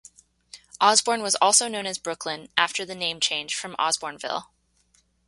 Osborne was also known as Brooklyn after the name change from Osborneville.